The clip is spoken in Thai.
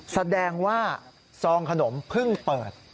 แสดงว่าซองขนมเพิ่งเปิด